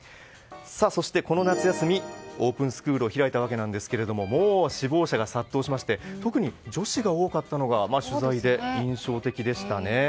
そして、この夏休みオープンスクールを開いたわけですがもう志望者が殺到しまして特に女子が多かったのが取材で印象的でしたね。